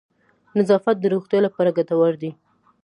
نظافت د روغتیا لپاره گټور دی.